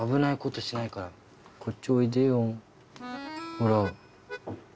ほら。